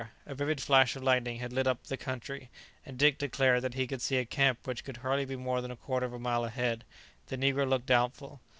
A vivid flash of lightning had lit up the country, and Dick declared that he could see a camp which could hardly be more than a quarter of a mile ahead. The negro looked doubtful.